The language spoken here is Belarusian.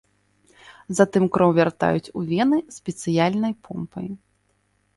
Затым кроў вяртаюць у вены спецыяльнай помпай.